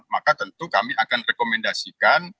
maka tentu kami akan rekomendasikan